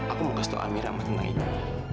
aku mau kasih tau amira sama teman ini